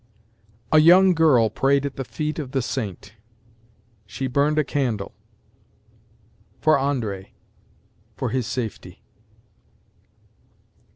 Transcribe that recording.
A YOUNG girl prayed at the feet of the Saint. She burned a candle. FOR ANDRÉ for his safety.